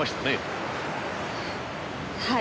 はい。